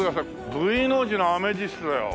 Ｖの字のアメジストだよ。